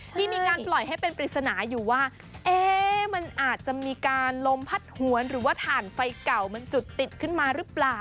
ที่มีการปล่อยให้เป็นปริศนาอยู่ว่ามันอาจจะมีการลมพัดหวนหรือว่าถ่านไฟเก่ามันจุดติดขึ้นมาหรือเปล่า